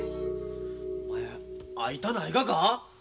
お前会いたないがか？